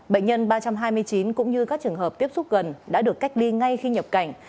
bệnh nhân ba trăm hai mươi chín cũng như các trường hợp tiếp xúc gần đã được cách ly ngay khi nhập cảnh